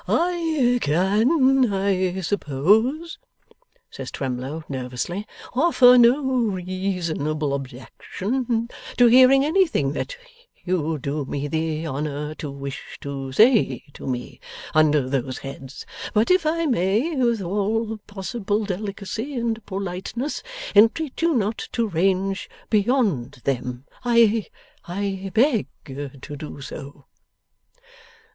'I can, I suppose,' says Twemlow, nervously, 'offer no reasonable objection to hearing anything that you do me the honour to wish to say to me under those heads. But if I may, with all possible delicacy and politeness, entreat you not to range beyond them, I I beg to do so.